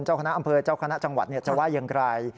เจ้าคณะอำเภอเจ้าคณะจังหวัดจะว่าอย่างไร